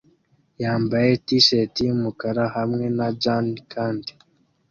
yambaye t-shati yumukara hamwe na jans kandi